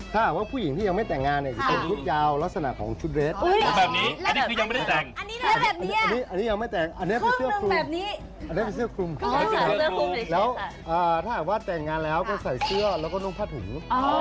ถ้าหากว่าแต่งงานแล้วก็ใส่เสื้อแล้วก็ต้องผ้าถูง